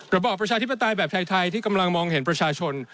ระบอบประชาธิปไตยแบบไทยที่กำลังมองเห็นประชาชน